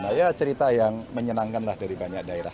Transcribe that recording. nah ya cerita yang menyenangkan lah dari banyak daerah